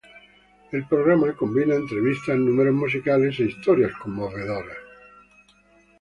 El programa combina entrevistas, números musicales e historias conmovedoras.